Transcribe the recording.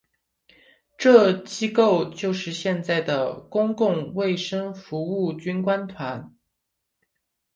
这机构就是现在的公共卫生服务军官团。